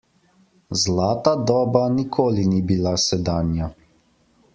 Zlata doba nikoli ni bila sedanja.